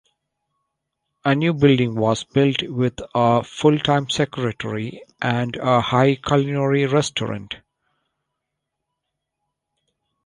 A new building was built with a full-time secretary and a high culinary restaurant.